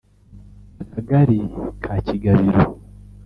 Akagari ka Kigabiro